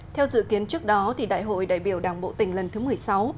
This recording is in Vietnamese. theo dự kiến trước đó đại hội đại biểu đảng bộ tỉnh lần thứ một mươi sáu